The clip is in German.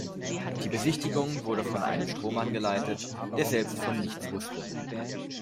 Die Besichtigung wurde von einem Strohmann geleitet, der selbst von nichts wusste.